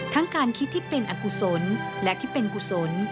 การคิดที่เป็นอกุศลและคิดเป็นกุศล